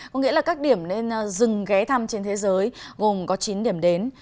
có nghĩa là các điểm nên dừng ghé thăm trên thế giới gồm có chín điểm đến